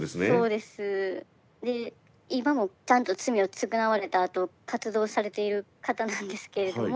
で今もちゃんと罪を償われたあと活動されている方なんですけれども。